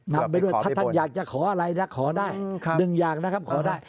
นำไปด้วยถ้าท่านอยากจะขออะไรนะขอได้หนึ่งอย่างนะครับขอได้